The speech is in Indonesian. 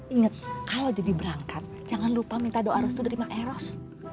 ingat kalo jadi berangkat jangan lupa minta doa restu dari mak eros